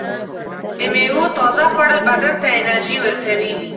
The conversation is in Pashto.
د میوو تازه خوړل بدن ته انرژي ورکوي.